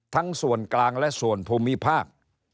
ทั้งส่วนกลางและส่วนภูมิภาค